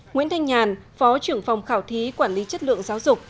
nguyễn thanh nhàn phó trưởng phòng khảo thí quản lý chất lượng giáo dục